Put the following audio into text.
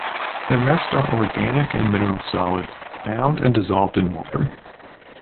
The rest are organic and mineral solids bound and dissolved in water.